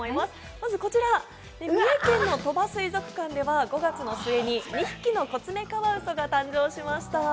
まずこちら三重県鳥羽水族館では５月の末に２匹のコツメカワウソが誕生しました。